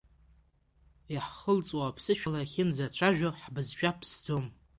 Иаҳхылҵуа аԥсышәала иахьынӡацәажәо ҳбызшәа ԥсӡом.